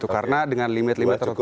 karena dengan limit limit tertentu